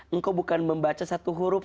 engkau bukan membaca satu huruf